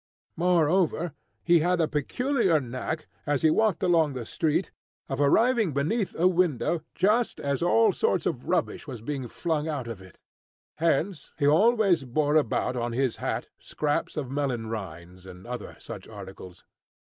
Moreover, he had a peculiar knack, as he walked along the street, of arriving beneath a window just as all sorts of rubbish was being flung out of it; hence he always bore about on his hat scraps of melon rinds, and other such articles.